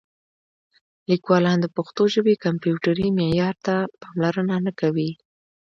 لیکوالان د پښتو ژبې کمپیوټري معیار ته پاملرنه نه کوي.